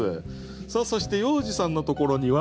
さあそして要次さんのところには？